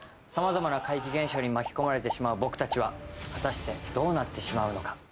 さまざまな怪奇現象に巻き込まれてしまう僕たちは、果たして、どうなってしまうのか？